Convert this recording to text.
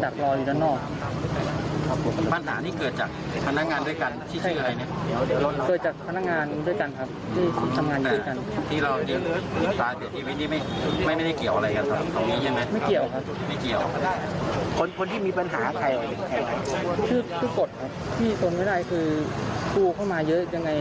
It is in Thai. แต่รออยู่ยกตรงสายเกี่ยวจะคิดว่าไม่มีอะไรทำไมเกี่ยวควรให้คนกดวันเข้ามาเยอะไง